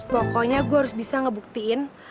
pokoknya gue harus bisa ngebuktiin